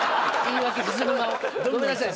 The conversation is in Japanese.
ごめんなさい。